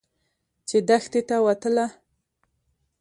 چې دښتې ته وتله.